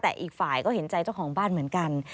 แต่อีกฝ่ายก็เห็นใจเจ้าของบ้านเหมือนกัน